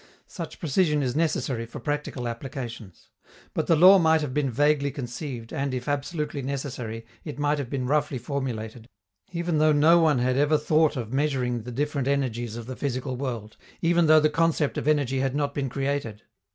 Such precision is necessary for practical applications. But the law might have been vaguely conceived, and, if absolutely necessary, it might have been roughly formulated, even though no one had ever thought of measuring the different energies of the physical world, even though the concept of energy had not been created.